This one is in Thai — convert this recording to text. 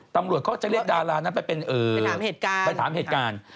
ตำรวจเขาจะเรียกดารานั้นไปถามเหตุการณ์